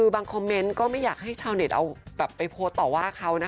คอมเมนต์ก็ไม่อยากให้ชาวเน็ตเอาแบบไปโพสต์ต่อว่าเขานะคะ